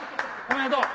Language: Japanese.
おめでとう。